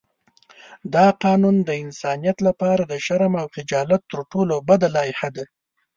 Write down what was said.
دا قانون د انسانیت لپاره د شرم او خجالت تر ټولو بده لایحه ده.